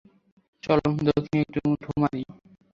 চলো, দক্ষিণে একটা ঢুঁ মারি।